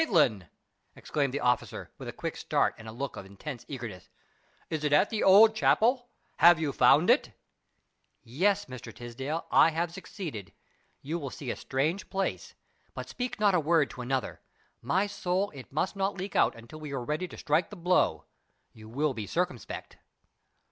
Maitland!" exclaimed the officer, with a quick start and a look of intense eagerness. "Is it at the Old Chapel? Have you found it?" "Yes, Mr. Tisdale, I have succeeded. You will see a strange place. But speak not a word to another. My soul! it must not leak out until we are ready to strike the blow. You will be circumspect."